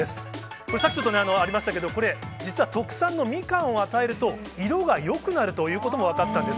これ、さっきちょっとありましたけど、実はこれ、特産のみかんを与えると、色がよくなるということも分かったんです。